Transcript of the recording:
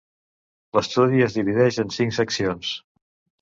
L'estudi es divideix en cinc seccions.